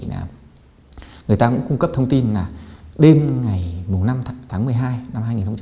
người ta cũng cung cấp thông tin là đêm ngày năm tháng một mươi hai năm hai nghìn hai mươi